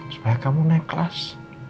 supaya kamu naik kelas